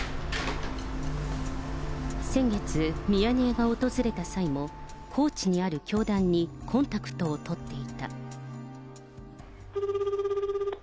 先月、ミヤネ屋が訪れた際も、高知にある教団にコンタクトを取っていた。